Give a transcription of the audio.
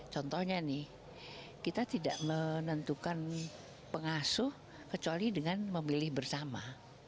contohnya nih kita tidak menentukan pengasuh kecuali dengan memilih bersama